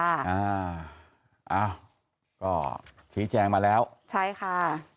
อ้าวก็ชี้แจงมาแล้วใช่ค่ะ